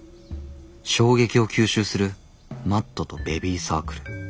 衝撃を吸収するマットとベビーサークル。